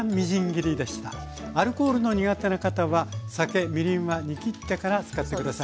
アルコールの苦手な方は酒みりんは煮きってから使って下さい。